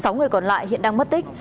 sáu người còn lại hiện đang mất tích